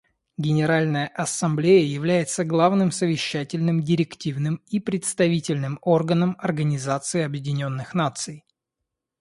Генеральная Ассамблея является главным совещательным, директивным и представительным органом Организации Объединенных Наций.